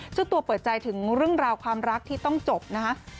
เจ้าตัวเปิดใจถึงเรื่องราวความรักที่ต้องจบนะฮะ